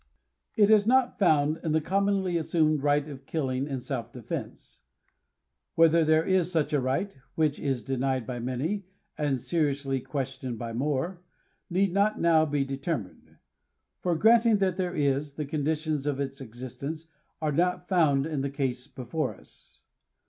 It is not found in the commonly assumed right of killing in self defense. Whether there is such a right, — which is denied by many, and seriously questioned by more, — need not now be determined ; for granting that there is, the conditions of its existence are not found in the case before us.